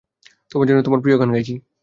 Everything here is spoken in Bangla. তোর জন্য তোর প্রিয় গান গাইছি।